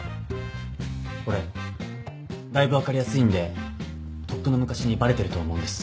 俺だいぶ分かりやすいんでとっくの昔にバレてると思うんです。